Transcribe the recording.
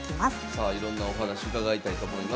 さあいろんなお話伺いたいと思います。